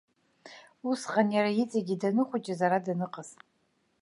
Усҟан иара иҵегьы данхәыҷыз, ара даныҟаз.